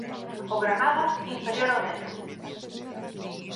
O Granada, inferior ao Dépor.